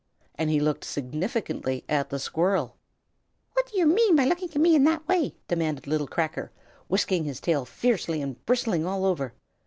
And he looked significantly at the squirrel. "What do you mean by looking at me in that way?" demanded little Cracker, whisking his tail fiercely, and bristling all over.